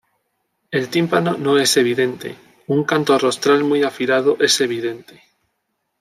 El tímpano no es evidente; un canto rostral muy afilado es evidente.